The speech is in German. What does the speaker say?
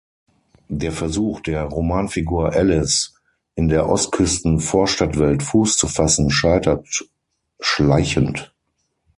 Der Versuch der Romanfigur Ellis, in der Ostküsten-Vorstadtwelt Fuß zu fassen, scheitert schleichend.